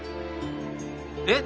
えっ！